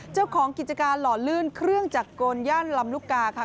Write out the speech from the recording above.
เจ้าของกิจการหล่อลื่นเครื่องจักรกลย่านลำลูกกาค่ะ